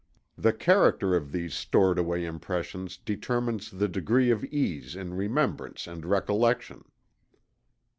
The character of these stored away impressions determines the degree of ease in remembrance and recollection.